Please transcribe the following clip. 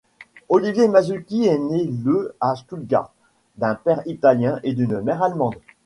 Oliver Masucci est né le à Stuttgart, d'un père italien et d'une mère allemande.